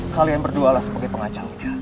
kalian berdualah sebagai pengacauannya